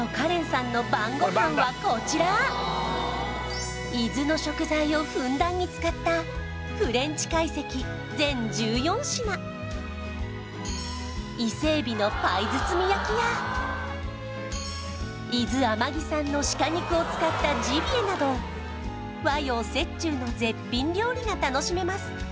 ＣＡＲＥＮさんの晩ごはんはこちら伊豆の食材をふんだんに使ったフレンチ懐石全１４品伊勢海老のパイ包み焼きや伊豆天城産の鹿肉を使ったジビエなど和洋折衷の絶品料理が楽しめます